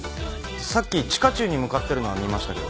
さっき地下駐に向かってるのは見ましたけど。